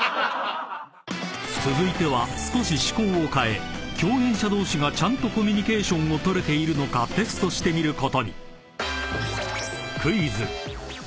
［続いては少し趣向を変え共演者同士がちゃんとコミュニケーションを取れているのかテストしてみることに］